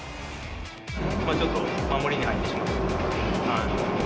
ちょっと、守りに入ってしまって。